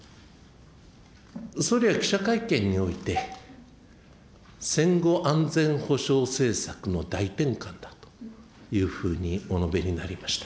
総理は記者会見において、戦後安全保障政策の大転換だというふうにお述べになりました。